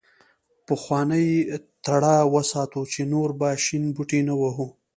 پخوانۍ تړه وساتو چې نور به شین بوټی نه وهو.